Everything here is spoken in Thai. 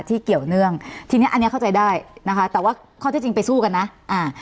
เกี่ยวเนื่องทีเนี้ยอันเนี้ยเข้าใจได้นะคะแต่ว่าข้อที่จริงไปสู้กันนะอ่า